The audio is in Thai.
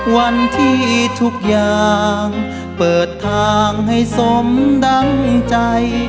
วันที่ทุกอย่างเปิดทางให้สมดังใจ